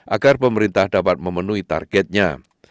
agar pemerintah dapat memenuhi targetnya